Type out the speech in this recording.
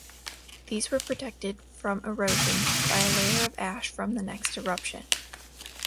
These were protected from erosion by a layer of ash from the next eruption.